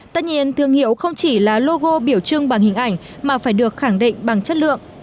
tất nhiên thương hiệu không chỉ là logo biểu trưng bằng hình ảnh mà phải được khẳng định bằng chất lượng